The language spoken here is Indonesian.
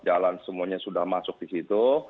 jalan semuanya sudah masuk di situ